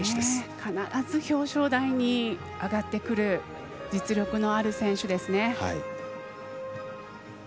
必ず表彰台に上がってくる実力のある選手ですね。